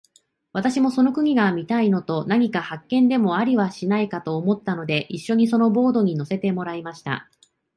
私もその国が見たいのと、何か発見でもありはしないかと思ったので、一しょにそのボートに乗せてもらいました。